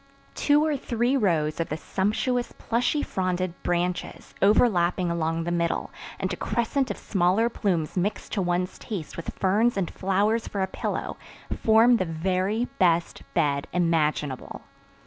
Two or three rows of the sumptuous plushy fronded branches, overlapping along the middle, and a crescent of smaller plumes mixed to one's taste with ferns and flowers for a pillow, form the very best bed imaginable.